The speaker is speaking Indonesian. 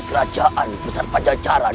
kerajaan besar pajajaran